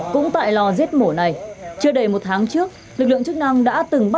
cũng tại lò giết mổ này chưa đầy một tháng trước lực lượng chức năng đã từng bắt